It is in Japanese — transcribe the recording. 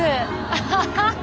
アハハハ！